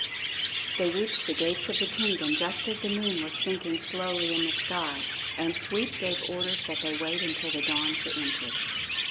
They reached the gates of the kingdom just as the moon was sinking slowly in the sky, and Sweep gave orders that they wait until the dawn to enter.